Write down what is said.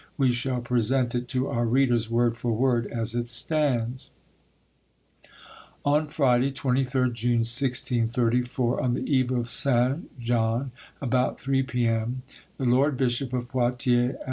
We shall present it to our readers, word for word, as it stands:— "On Friday, 23rd June 1634, on the Eve of Saint John, about 3 p.m., the Lord Bishop of Poitiers and M.